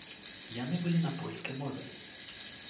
Яны былі на польскай мове.